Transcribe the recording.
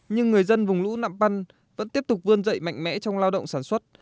nhưng người dân vùng lũ nạm băn vẫn tiếp tục vươn dậy mạnh mẽ trong lao động sản xuất